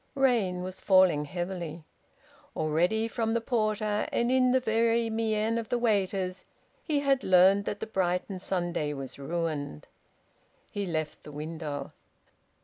Rain was falling heavily. Already from the porter, and in the very mien of the waiters, he had learnt that the Brighton Sunday was ruined. He left the window.